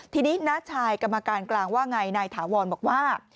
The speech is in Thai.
ทีนี้น้าชายกรรมการกลางว่าไงนายถาวรบอกว่า